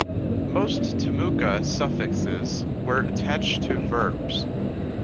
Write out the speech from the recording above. Most Timucua suffixes were attached to verbs.